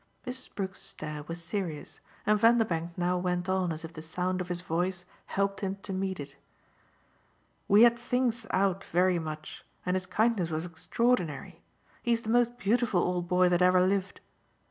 Mrs. Brook's stare was serious, and Vanderbank now went on as if the sound of his voice helped him to meet it. "We had things out very much and his kindness was extraordinary he's the most beautiful old boy that ever lived.